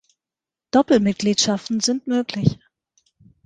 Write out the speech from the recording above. Doppelmitgliedschaften sind möglich.